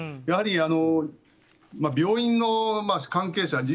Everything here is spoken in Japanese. やはり、病院の関係者